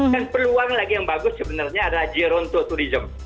dan peluang lagi yang bagus sebenarnya ada jironto tourism